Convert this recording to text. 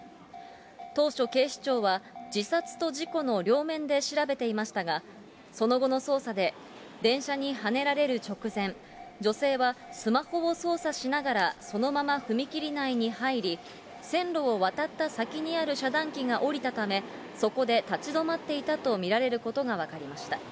当初、警視庁は自殺と事故の両面で調べていましたが、その後の捜査で、電車にはねられる直前、女性はスマホを操作しながらそのまま踏切内に入り、線路を渡った先にある遮断機が下りたため、そこで立ち止まっていたと見られることが分かりました。